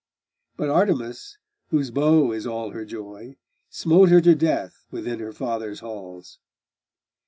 But Artemis, whose bow is all her joy, Smote her to death within her father's halls.